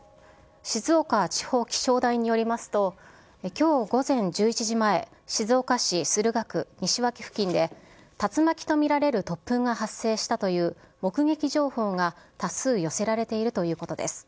静岡地方気象台によりますと、きょう午前１１時前、静岡市駿河区にしわき付近で、竜巻と見られる突風が発生したという目撃情報が多数寄せられているということです。